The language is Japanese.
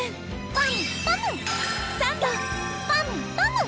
パムパム！